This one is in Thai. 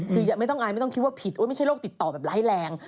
คือไม่ต้องอายไม่ต้องคิดว่าผิดไม่ใช่โรคติดต่อแบบร้ายแรง